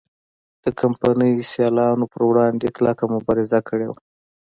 د کمپنۍ سیالانو پر وړاندې کلکه مبارزه کړې وه.